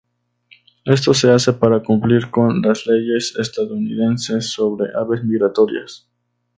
Esto se hace para cumplir con las leyes estadounidenses sobre aves migratorias.